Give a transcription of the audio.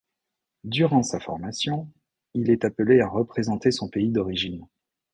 Durant sa formation, il est appelé à représenter son pays d'origine.